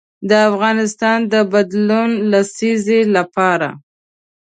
د افغانستان د بدلون لسیزې لپاره.